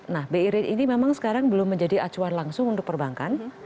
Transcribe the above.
nah bi rate ini memang sekarang belum menjadi acuan langsung untuk perbankan